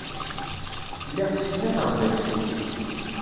Lliɣ sseknafeɣ-d aksum.